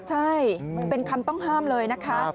ใช่เป็นคำต้องห้ามเลยนะคะ